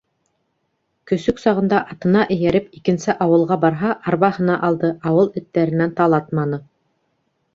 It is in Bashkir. Көсөк сағында атына эйәреп икенсе ауылға барһа, арбаһына алды, ауыл эттәренән талатманы.